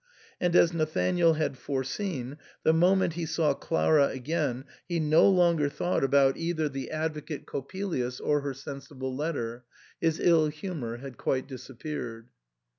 And as Nathanael had foreseen, the moment he saw Clara again he no longer thought about either the I90 "^ THE SAND'MAN. advocate Coppelius or her sensible letter; his ill< humour had quite disappeared.